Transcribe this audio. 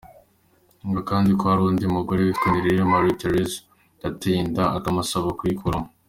Buvuga kandi ko hari undi mugore witwa Nirere Marie Thérèse yateye inda akamusaba kuyikuramo.